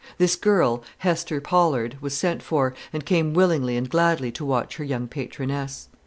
This girl, Hester Pollard, was sent for, and came willingly and gladly to watch her young patroness.